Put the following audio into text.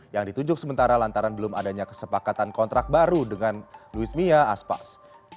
yang ditunjuk sementara lantaran belum adanya kesepakatan kontrak baru dengan luis mia aspas